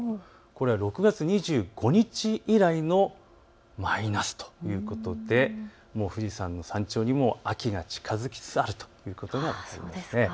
これは６月２５日以来のマイナスということで富士山の山頂にも秋が近づきつつあるということです。